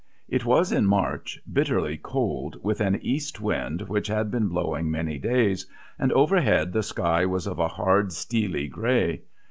It was in March, bitterly cold, with an east wind which had been blowing many days, and overhead the sky was of a hard, steely grey.